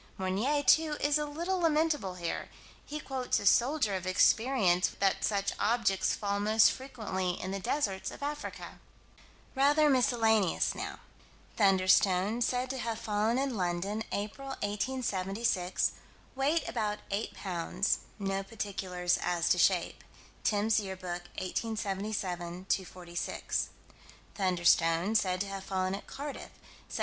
Meunier, too, is a little lamentable here: he quotes a soldier of experience that such objects fall most frequently in the deserts of Africa. Rather miscellaneous now: "Thunderstone" said to have fallen in London, April, 1876: weight about 8 pounds: no particulars as to shape (Timb's Year Book, 1877 246). "Thunderstone" said to have fallen at Cardiff, Sept.